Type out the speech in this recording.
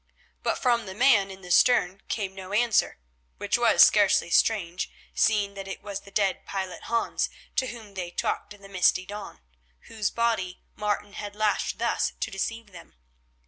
But from the man in the stern came no answer, which was scarcely strange, seeing that it was the dead pilot, Hans, to whom they talked in the misty dawn, whose body Martin had lashed thus to deceive them.